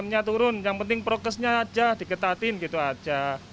yang penting prokesnya saja diketatin gitu saja